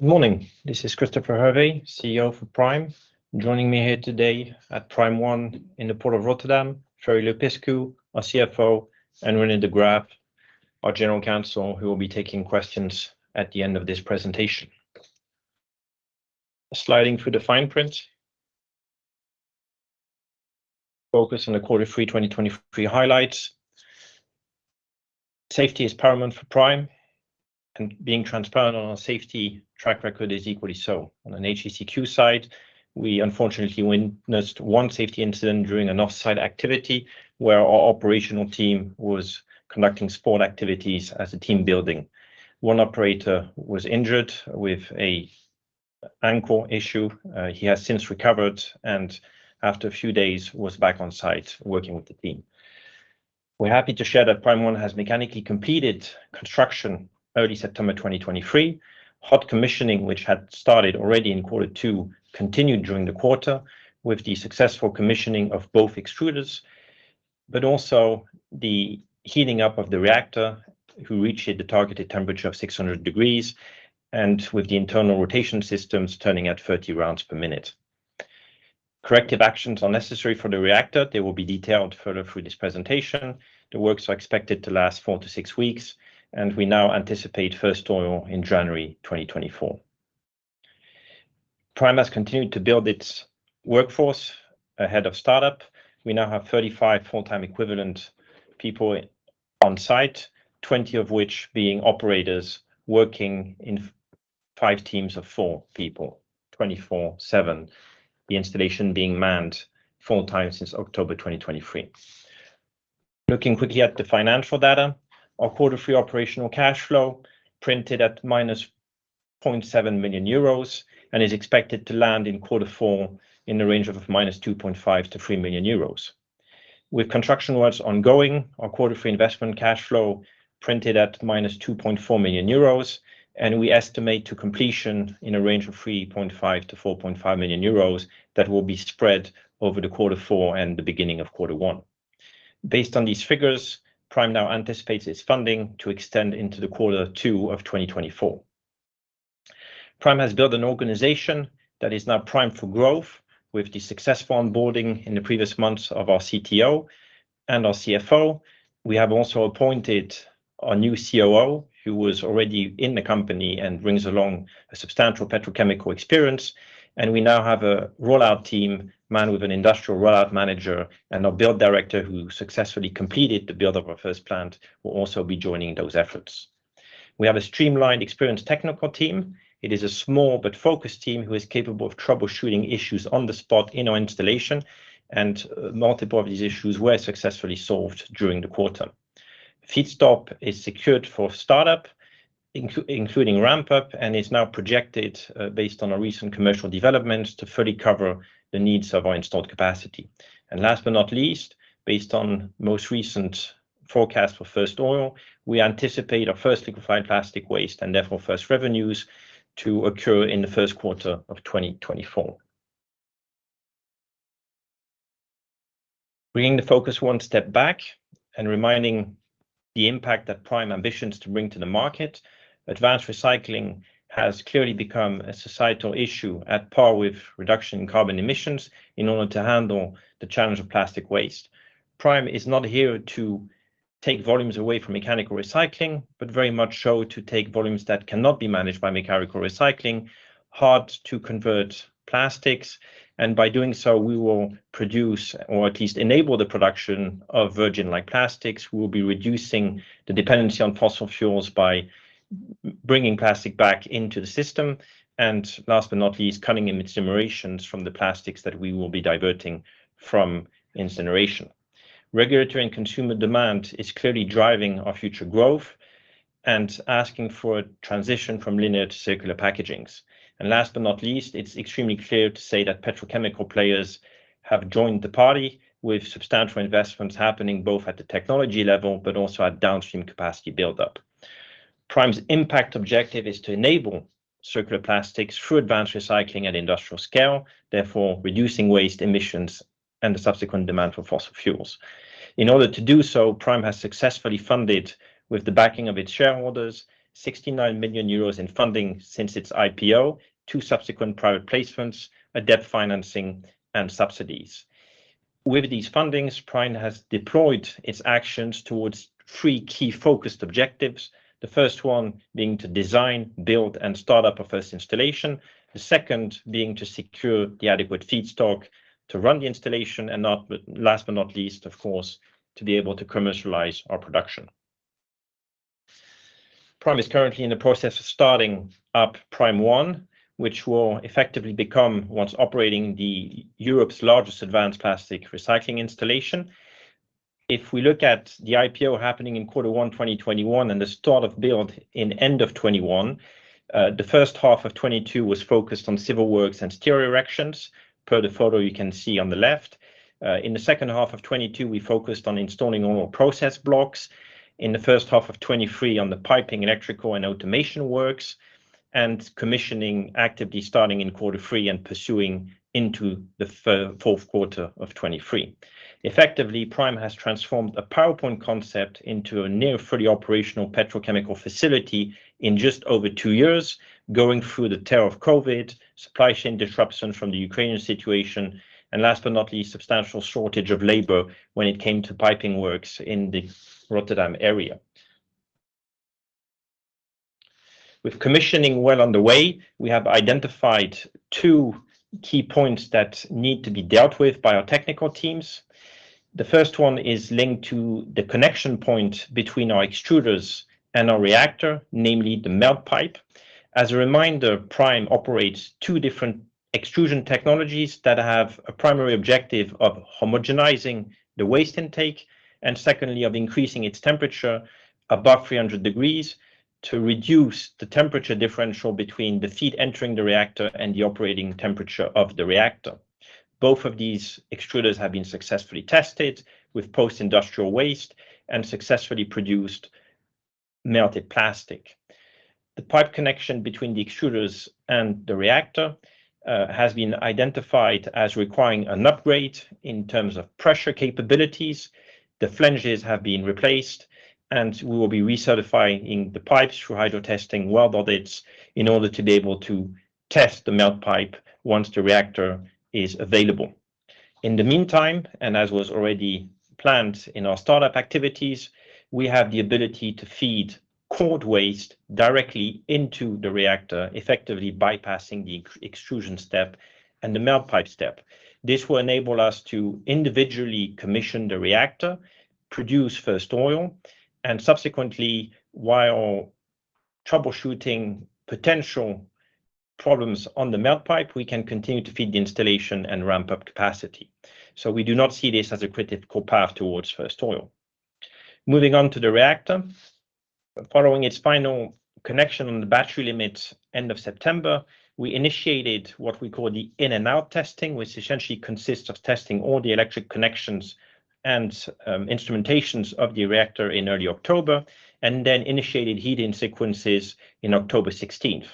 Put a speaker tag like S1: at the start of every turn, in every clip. S1: Good morning. This is Christopher Hervé, CEO for Pryme. Joining me here today at Pryme One in the Port of Rotterdam, Ferry Lupescu, our CFO, and René de Graaf, our General Counsel, who will be taking questions at the end of this presentation. Sliding through the fine print. Focus on the quarter three 2023 highlights. Safety is paramount for Pryme, and being transparent on our safety track record is equally so. On an HSEQ side, we unfortunately witnessed one safety incident during an off-site activity where our operational team was conducting sport activities as a team building. One operator was injured with an ankle issue. He has since recovered, and after a few days, was back on site working with the team. We're happy to share that Pryme One has mechanically completed construction early September 2023. Hot commissioning, which had started already in quarter two, continued during the quarter with the successful commissioning of both extruders, but also the heating up of the reactor, who reached the targeted temperature of 600 degrees, and with the internal rotation systems turning at 30 rounds per minute. Corrective actions are necessary for the reactor. They will be detailed further through this presentation. The works are expected to last four to six weeks, and we now anticipate first oil in January 2024. Pryme has continued to build its workforce ahead of startup. We now have 35 full-time equivalent people on site, 20 of which being operators working in five teams of four people, 24/7. The installation being manned full-time since October 2023. Looking quickly at the financial data, our quarter three operational cash flow printed at -0.7 million euros and is expected to land in quarter four in the range of -2.5 million to 3 million euros. With construction works ongoing, our quarter three investment cash flow printed at -2.4 million euros, and we estimate to completion in a range of 3.5 million-4.5 million euros that will be spread over the quarter four and the beginning of quarter one. Based on these figures, Pryme now anticipates its funding to extend into the quarter two of 2024. Pryme has built an organization that is now primed for growth with the successful onboarding in the previous months of our CTO and our CFO. We have also appointed our new COO, who was already in the company and brings along a substantial petrochemical experience, and we now have a rollout team manned with an industrial rollout manager and our build director, who successfully completed the build of our first plant, will also be joining those efforts. We have a streamlined, experienced technical team. It is a small but focused team who is capable of troubleshooting issues on the spot in our installation, and multiple of these issues were successfully solved during the quarter. Feedstock is secured for startup, including ramp-up, and is now projected, based on our recent commercial developments, to fully cover the needs of our installed capacity. Last but not least, based on most recent forecast for first oil, we anticipate our first liquefied plastic waste, and therefore first revenues, to occur in the first quarter of 2024. Bringing the focus one step back and reminding the impact that Pryme ambitions to bring to the market, advanced recycling has clearly become a societal issue on par with reduction in carbon emissions in order to handle the challenge of plastic waste. Pryme is not here to take volumes away from mechanical recycling, but very much so to take volumes that cannot be managed by mechanical recycling, hard-to-convert plastics, and by doing so, we will produce, or at least enable the production of virgin-like plastics. We will be reducing the dependency on fossil fuels by bringing plastic back into the system, and last but not least, cutting emissions from the plastics that we will be diverting from incineration. Regulatory and consumer demand is clearly driving our future growth and asking for a transition from linear to circular packaging. Last but not least, it's extremely clear to say that petrochemical players have joined the party with substantial investments happening, both at the technology level but also at downstream capacity buildup. Pryme's impact objective is to enable circular plastics through advanced recycling at industrial scale, therefore reducing waste emissions and the subsequent demand for fossil fuels. In order to do so, Pryme has successfully funded, with the backing of its shareholders, 69 million euros in funding since its IPO, two subsequent private placements, a debt financing, and subsidies. With these fundings, Pryme has deployed its actions towards three key focused objectives. The first one being to design, build, and start up a first installation. The second being to secure the adequate feedstock to run the installation, and last but not least, of course, to be able to commercialize our production. Pryme is currently in the process of starting up Pryme One, which will effectively become, once operating, Europe's largest advanced plastic recycling installation. If we look at the IPO happening in quarter one, 2021, and the start of build in end of 2021, the first half of 2022 was focused on civil works and steel erections, per the photo you can see on the left. In the second half of 2022, we focused on installing all process blocks in the first half of 2023 on the piping, electrical, and automation works, and commissioning actively starting in quarter three and pursuing into the fourth quarter of 2023. Effectively, Pryme has transformed a PowerPoint concept into a near fully operational petrochemical facility in just over two years, going through the terror of COVID, supply chain disruption from the Ukrainian situation, and last but not least, substantial shortage of labor when it came to piping works in the Rotterdam area. With commissioning well underway, we have identified two key points that need to be dealt with by our technical teams. The first one is linked to the connection point between our extruders and our reactor, namely the melt pipe. As a reminder, Pryme operates two different extrusion technologies that have a primary objective of homogenizing the waste intake, and secondly, of increasing its temperature above 300 degrees to reduce the temperature differential between the feed entering the reactor and the operating temperature of the reactor. Both of these extruders have been successfully tested with post-industrial waste and successfully produced melted plastic. The pipe connection between the extruders and the reactor has been identified as requiring an upgrade in terms of pressure capabilities. The flanges have been replaced, and we will be recertifying the pipes through hydrotesting weld audits in order to be able to test the Melt Pipe once the reactor is available. In the meantime, and as was already planned in our startup activities, we have the ability to feed cold waste directly into the reactor, effectively bypassing the extrusion step and the Melt Pipe step. This will enable us to individually commission the reactor, produce first oil, and subsequently, while troubleshooting potential problems on the Melt Pipe, we can continue to feed the installation and ramp up capacity. So we do not see this as a critical path towards first oil. Moving on to the reactor, following its final connection on the battery limit, end of September, we initiated what we call the in-and-out testing, which essentially consists of testing all the electric connections and instrumentations of the reactor in early October, and then initiated heating sequences in October sixteenth.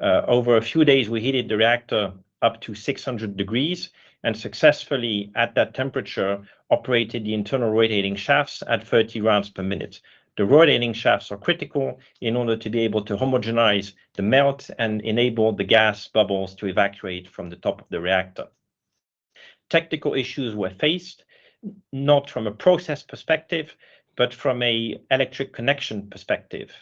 S1: Over a few days, we heated the reactor up to 600 degrees and successfully, at that temperature, operated the internal rotating shafts at 30 rounds per minute. The rotating shafts are critical in order to be able to homogenize the melt and enable the gas bubbles to evacuate from the top of the reactor. Technical issues were faced, not from a process perspective, but from a electric connection perspective,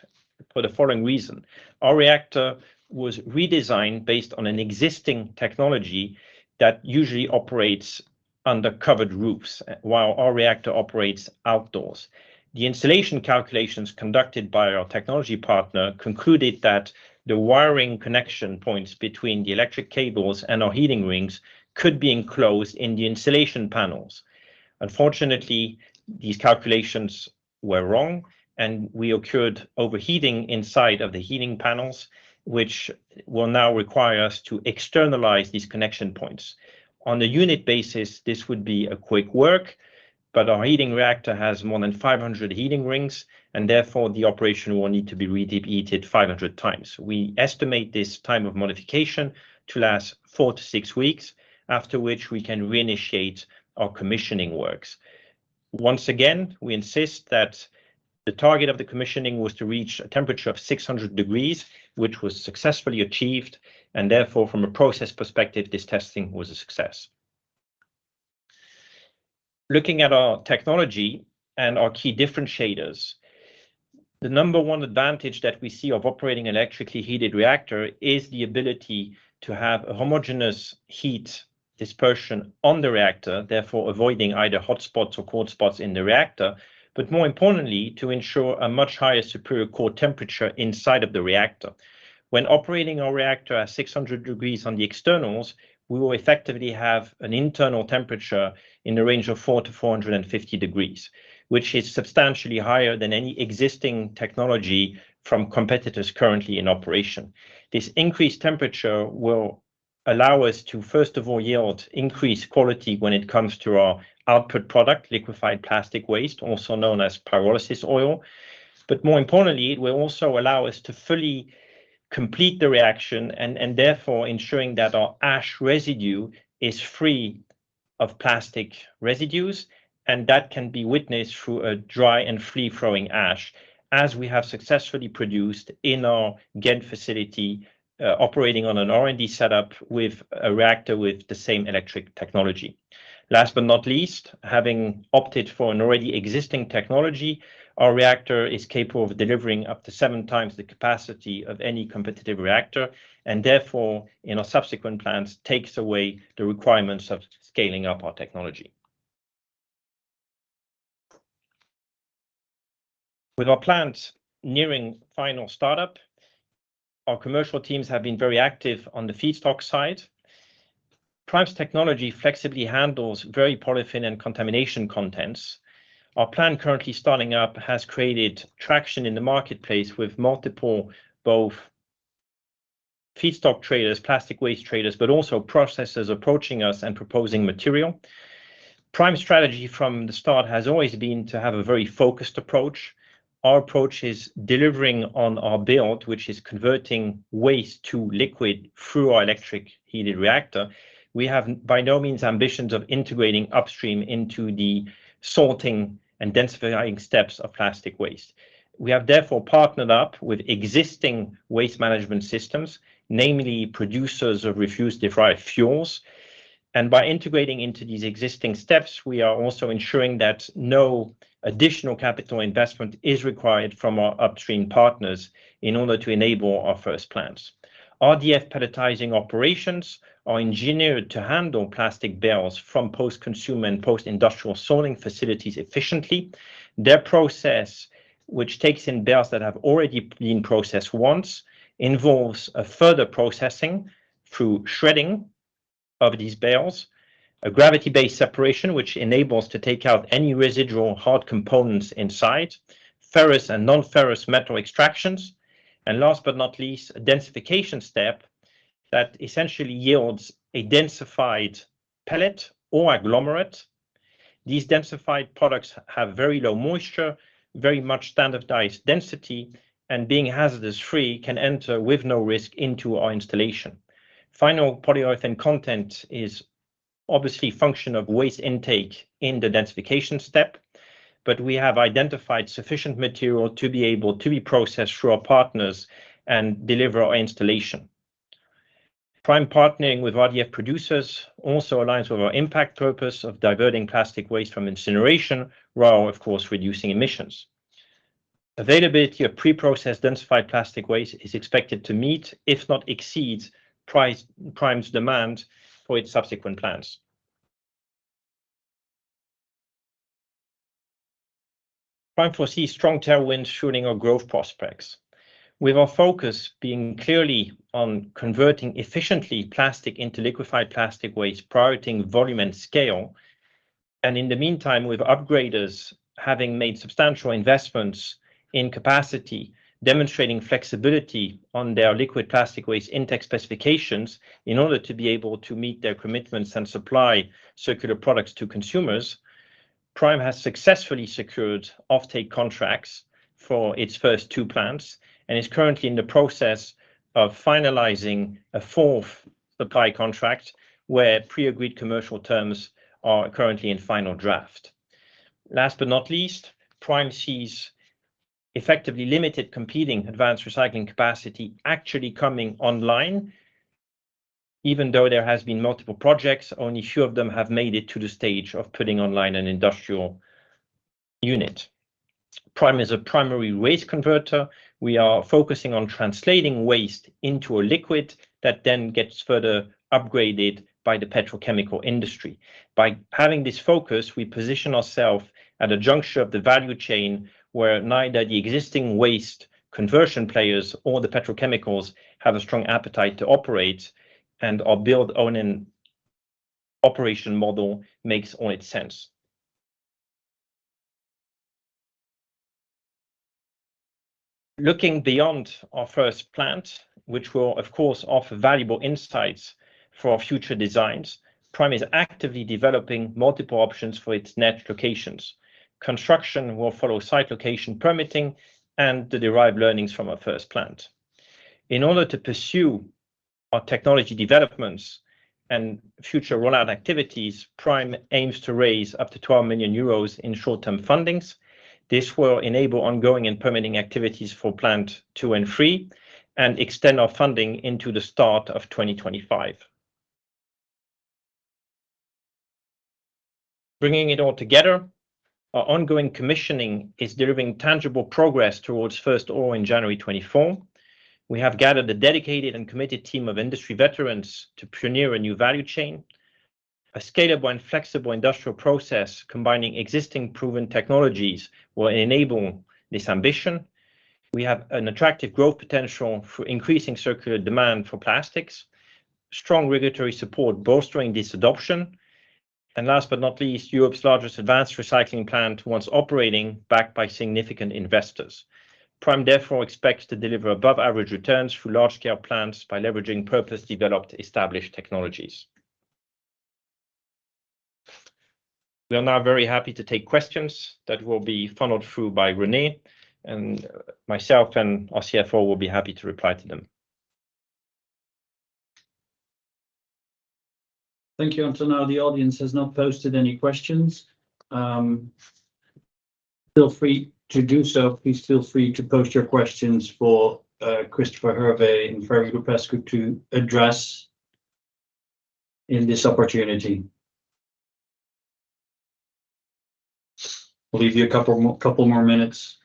S1: for the following reason: Our reactor was redesigned based on an existing technology that usually operates under covered roofs, while our reactor operates outdoors. The installation calculations conducted by our technology partner concluded that the wiring connection points between the electric cables and our heating rings could be enclosed in the installation panels. Unfortunately, these calculations were wrong, and we occurred overheating inside of the heating panels, which will now require us to externalize these connection points. On a unit basis, this would be a quick work, but our heating reactor has more than 500 heating rings, and therefore, the operation will need to be repeated 500 times. We estimate this time of modification to last four to six weeks, after which we can reinitiate our commissioning works. Once again, we insist that the target of the commissioning was to reach a temperature of 600 degrees, which was successfully achieved, and therefore, from a process perspective, this testing was a success. Looking at our technology and our key differentiators, the number one advantage that we see of operating an electrically heated reactor is the ability to have a homogeneous heat dispersion on the reactor, therefore avoiding either hot spots or cold spots in the reactor, but more importantly, to ensure a much higher superior core temperature inside of the reactor. When operating our reactor at 600 degrees on the externals, we will effectively have an internal temperature in the range of 400-450 degrees, which is substantially higher than any existing technology from competitors currently in operation. This increased temperature will allow us to, first of all, yield increased quality when it comes to our output product, liquefied plastic waste, also known as pyrolysis oil. But more importantly, it will also allow us to fully complete the reaction and therefore ensuring that our ash residue is free of plastic residues, and that can be witnessed through a dry and free-flowing ash, as we have successfully produced in our Ghent facility, operating on an R&D setup with a reactor with the same electric technology. Last but not least, having opted for an already existing technology, our reactor is capable of delivering up to seven times the capacity of any competitive reactor, and therefore, in our subsequent plans, takes away the requirements of scaling up our technology. With our plant nearing final startup, our commercial teams have been very active on the feedstock side. Pryme's technology flexibly handles very polyolefin and contamination contents. Our plant, currently starting up, has created traction in the marketplace with multiple, both...... Feedstock traders, plastic waste traders, but also processors approaching us and proposing material. Pryme strategy from the start has always been to have a very focused approach. Our approach is delivering on our build, which is converting waste to liquid through our electric heated reactor. We have by no means ambitions of integrating upstream into the sorting and densifying steps of plastic waste. We have therefore partnered up with existing waste management systems, namely producers of refuse-derived fuels, and by integrating into these existing steps, we are also ensuring that no additional capital investment is required from our upstream partners in order to enable our first plants. RDF pelletizing operations are engineered to handle plastic bales from post-consumer and post-industrial sorting facilities efficiently. Their process, which takes in bales that have already been processed once, involves a further processing through shredding of these bales, a gravity-based separation, which enables to take out any residual hard components inside, ferrous and non-ferrous metal extractions, and last but not least, a densification step that essentially yields a densified pellet or agglomerate. These densified products have very low moisture, very much standardized density, and being hazardous-free, can enter with no risk into our installation. Final polyurethane content is obviously a function of waste intake in the densification step, but we have identified sufficient material to be able to be processed through our partners and deliver our installation. Pryme partnering with RDF producers also aligns with our impact purpose of diverting plastic waste from incineration, while, of course, reducing emissions. Availability of pre-processed, densified plastic waste is expected to meet, if not exceed, Pryme's demand for its subsequent plants. Pryme foresees strong tailwinds fueling our growth prospects, with our focus being clearly on converting efficiently plastic into liquefied plastic waste, prioritizing volume and scale. In the meantime, with upgraders having made substantial investments in capacity, demonstrating flexibility on their liquefied plastic waste intake specifications in order to be able to meet their commitments and supply circular products to consumers, Pryme has successfully secured offtake contracts for its first two plants, and is currently in the process of finalizing a fourth supply contract, where pre-agreed commercial terms are currently in final draft. Last but not least, Pryme sees effectively limited competing advanced recycling capacity actually coming online. Even though there has been multiple projects, only a few of them have made it to the stage of putting online an industrial unit. Pryme is a primary waste converter. We are focusing on translating waste into a liquid that then gets further upgraded by the petrochemical industry. By having this focus, we position ourselves at a juncture of the value chain where neither the existing waste conversion players or the petrochemicals have a strong appetite to operate, and our build, own, and operation model makes only sense. Looking beyond our first plant, which will, of course, offer valuable insights for our future designs, Pryme is actively developing multiple options for its next locations. Construction will follow site location permitting and the derived learnings from our first plant. In order to pursue our technology developments and future rollout activities, Pryme aims to raise up to 12 million euros in short-term fundings. This will enable ongoing and permitting activities for plant two and three and extend our funding into the start of 2025. Bringing it all together, our ongoing commissioning is delivering tangible progress towards first oil in January 2024. We have gathered a dedicated and committed team of industry veterans to pioneer a new value chain. A scalable and flexible industrial process, combining existing proven technologies, will enable this ambition. We have an attractive growth potential for increasing circular demand for plastics, strong regulatory support bolstering this adoption, and last but not least, Europe's largest advanced recycling plant once operating, backed by significant investors. Pryme therefore expects to deliver above-average returns through large-scale plants by leveraging purpose-developed, established technologies. We are now very happy to take questions that will be funneled through by René, and myself and our CFO will be happy to reply to them.
S2: Thank you. Until now, the audience has not posted any questions. Feel free to do so. Please feel free to post your questions for Christopher Hervé and Ferry Lupescu to address in this opportunity. We'll give you a couple more, couple more minutes.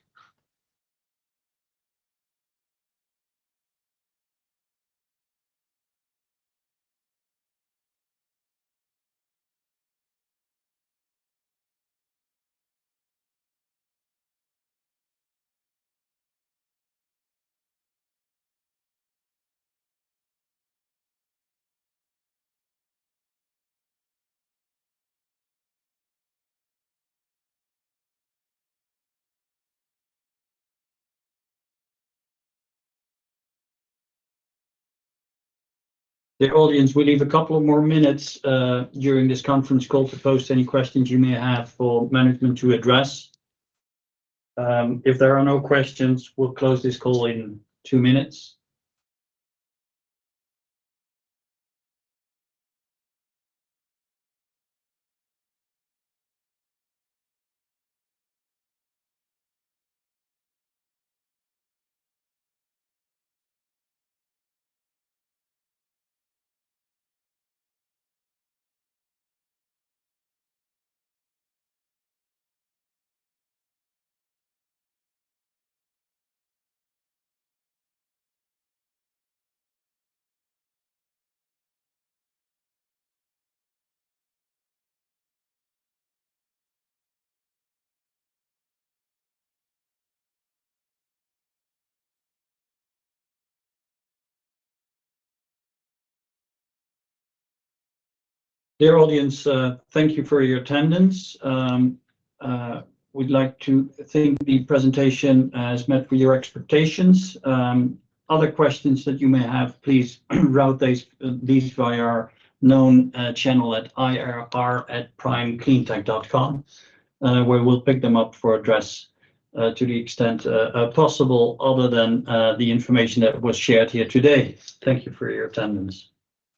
S2: The audience, we leave a couple of more minutes during this conference call to post any questions you may have for management to address. If there are no questions, we'll close this call in two minutes. Dear audience, thank you for your attendance. We'd like to think the presentation has met with your expectations. Other questions that you may have, please route these, these via our known channel at ir@pryme-cleantech.com, where we'll pick them up for address, to the extent possible, other than the information that was shared here today. Thank you for your attendance.